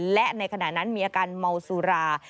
และในขณะนั้นมีอาการเมาสุรา